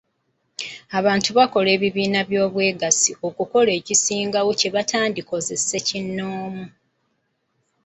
Abantu bakola ebibiina by'obwegassi okukola ekisingawo kye batandikoze ssekinnoomu.